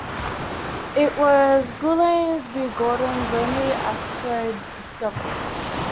It was Guillaume Bigourdan's only asteroid discovery.